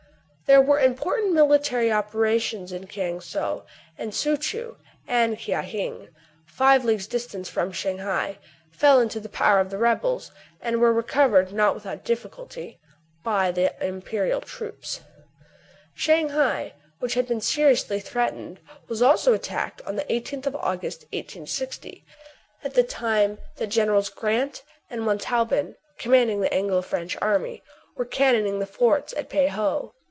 There were important military operations in Kiang Sou ; and Soo Choo and Kia Hing, five leagues distant from Shang hai, fell into the power of the rebels, and were recovered, not without difficulty, by the imperial troops. Shang hai, which had been seriously threatened, was also attacked on the i8th of August, i860, at the time that Gens. Grant and Montauban, com manding the Anglo French army, were cannon ading the forts of Pei ho.